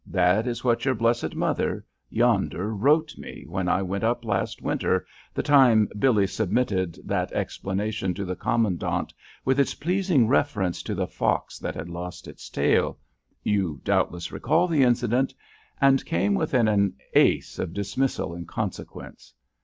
"That is what your blessed mother, yonder, wrote me when I went up last winter, the time Billy submitted that explanation to the commandant with its pleasing reference to the fox that had lost its tail you doubtless recall the incident and came within an ace of dismissal in consequence."